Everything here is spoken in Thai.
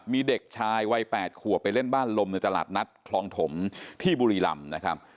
มีเด็กชายวัย๘ขวบไปเล่นบ้านลมในตลาดนัดคลองถมที่บุรีรำนะครับ